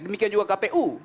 demikian juga kpu